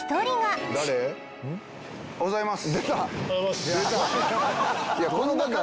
おはようございます。